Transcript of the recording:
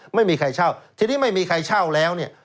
ไม่มีใครเช่าทีนี้ไม่มีใครเช่าแล้วเนี่ย